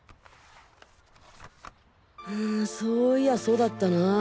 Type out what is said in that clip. そういやそうだったな。